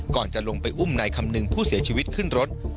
ก่อนจะลงไปอุ้มนายคำนึงผู้เสียชีวิตขึ้นรถ